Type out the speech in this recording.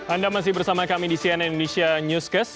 anda masih bersama kami di cnn indonesia newscast